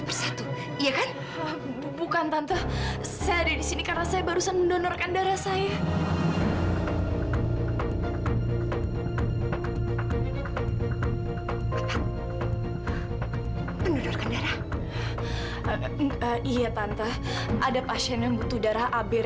bahkan dianda kan sudah mengajak ji